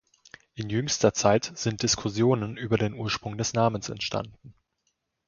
In jüngster Zeit sind Diskussionen über den Ursprung des Namens entstanden.